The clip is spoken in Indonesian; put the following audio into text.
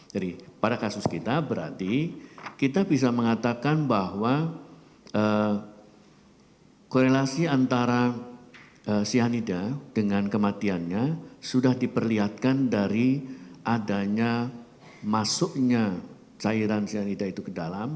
jadi pada kasus kita berarti kita bisa mengatakan bahwa korelasi antara cyanida dengan kematiannya sudah diperlihatkan dari adanya masuknya cairan cyanida itu ke dalam